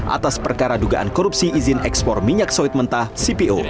atas perkara dugaan korupsi izin ekspor minyak sawit mentah cpo